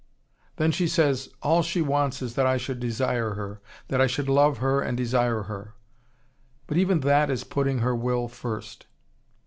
Then she says, all she wants is that I should desire her, that I should love her and desire her. But even that is putting her will first.